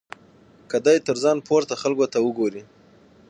که دی تر ځان پورته خلکو ته وګوري.